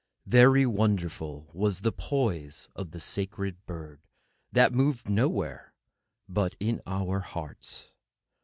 Very wonderful was the poise of the sacred bird, that moved nowhere but in our hearts.